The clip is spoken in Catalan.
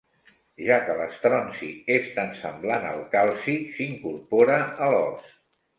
Ja que l'estronci és tan semblant al calci, s'incorpora a l'ós.